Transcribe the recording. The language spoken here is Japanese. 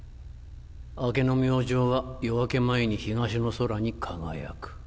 明けの明星は夜明け前に東の空に輝く。